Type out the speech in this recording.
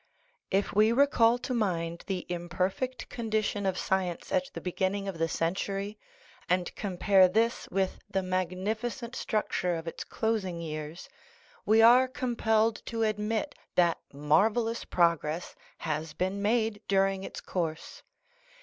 If we recall to mind the imperfect condition of science at the beginning of the century, and compare this with the magnificent structure of its closing years, we are compelled to admit that marvellous progress has been made during its course.